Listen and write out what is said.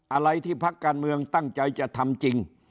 อะไรที่พักการเมืองตั้งใจจะทำจริง